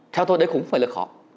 theo tôi đấy cũng phải là khó